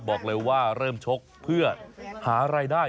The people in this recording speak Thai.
บอกเลยว่าเริ่มชกเพื่อหารายได้